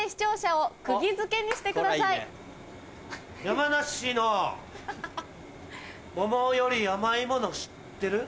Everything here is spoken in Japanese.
山梨の桃より甘いもの知ってる？